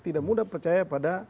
tidak mudah percaya pada